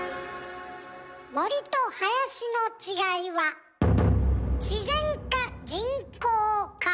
森と林の違いは自然か人工か。